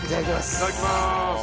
いただきまーす。